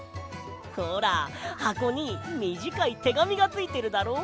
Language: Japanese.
ほらはこにみじかいてがみがついてるだろ？